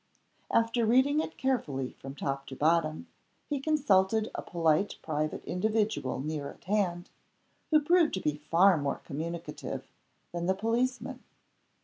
After reading it carefully, from top to bottom, he consulted a polite private individual near at hand, who proved to be far more communicative than the policeman.